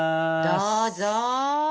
どうぞ！